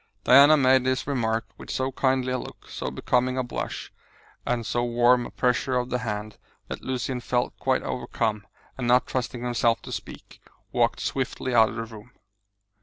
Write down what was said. Diana made this remark with so kindly a look, so becoming a blush, and so warm a pressure of the hand, that Lucian felt quite overcome, and not trusting himself to speak, walked swiftly out of the room.